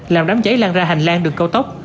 làm đám cháy lan ra hành lang đường cao tốc